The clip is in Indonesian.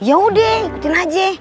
ya udah ikutin aja